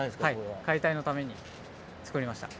はい解体のために作りました。